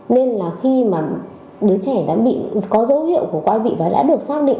nên là khi mà đứa trẻ đã có dấu hiệu của quay bị và đã được xác định